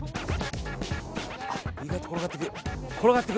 意外と転がってく。